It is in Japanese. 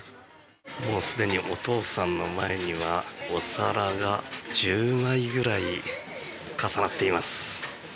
もうすでにお父さんの前にはお皿が１０枚ぐらい重なっています。